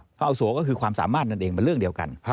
อาวสัวก็คือความสามารถนั่นเองเป็นเรื่องเดียวกัน